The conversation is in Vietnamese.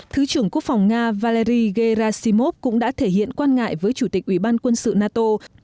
thứ trưởng quốc phòng nga vallery gerashimov cũng đã thể hiện quan ngại với chủ tịch ủy ban quân sự nato